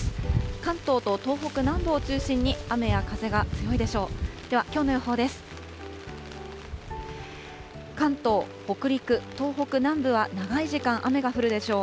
関東と東北南部を中心に、雨や風が強いでしょう。